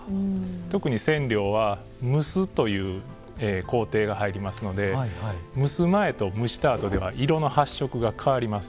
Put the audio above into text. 特に染料は蒸すという工程が入りますので蒸す前と蒸したあとでは色の発色が変わります。